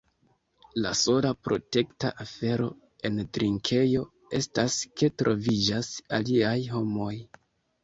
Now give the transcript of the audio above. La sola protekta afero en drinkejo estas ke troviĝas aliaj homoj.